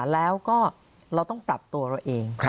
แล้วก็เราต้องปรับตัวเราเอง